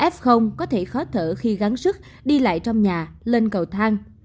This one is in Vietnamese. f có thể khó thở khi gắn sức đi lại trong nhà lên cầu thang